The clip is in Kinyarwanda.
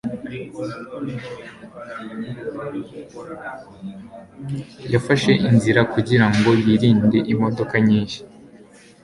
Yafashe inzira kugira ngo yirinde imodoka nyinshi.